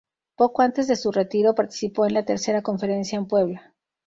Poco antes de su retiro, participó en la tercera Conferencia en Puebla.